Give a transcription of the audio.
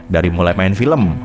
dari mulai main film